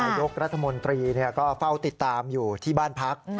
นายกรัฐมนตรีก็เฝ้าติดตามอยู่ที่บ้านพัก